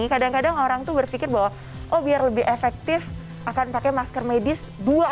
kadang kadang orang tuh berpikir bahwa oh biar lebih efektif akan pakai masker medis dua